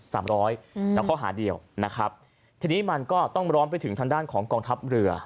สามร้อยอืมแล้วข้อหาเดียวนะครับทีนี้มันก็ต้องร้อนไปถึงทางด้านของกองทัพเรือ